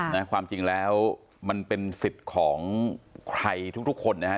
นะความจริงแล้วมันเป็นสิทธิ์ของใครทุกทุกคนนะฮะ